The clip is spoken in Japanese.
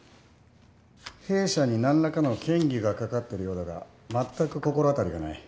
弊社に何らかの嫌疑がかかってるようだがまったく心当たりがない。